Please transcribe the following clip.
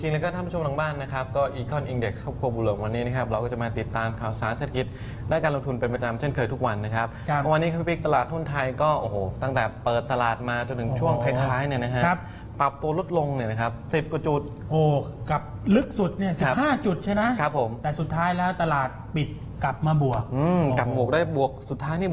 แล้วก็ปริมาณการซื้อขายกลับมาค่อนข้างคึกคลักเหมือนเดิมนะครับ